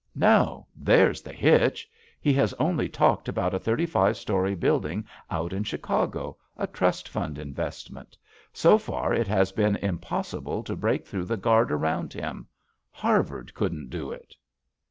"No; there's the hitch. He has only talked about a thirty five story building out in Chi cago, a trust fund investment. So far it has been impossible to break through the guard around him. Harvard couldn't do it."